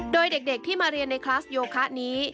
โดยเด็กที่มาเรียนในคลาสโยคะนี้